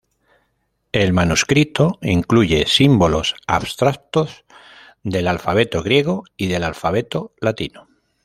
El manuscrito incluye símbolos abstractos, del alfabeto griego y del alfabeto latino.